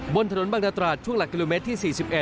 บนถนนบางนาตราดช่วงหลักกิโลเมตรที่๔๑